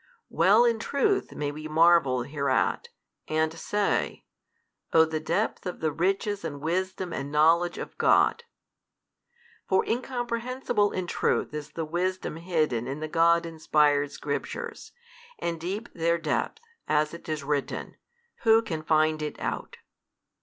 Well in truth may we marvel hereat, and say, O the depth of the riches and wisdom and knowledge of God! For incomprehensible in truth is the wisdom hidden in the God inspired Scriptures, and deep their depth, as it is written, who can find it out?